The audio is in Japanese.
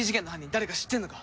誰か知ってるのか？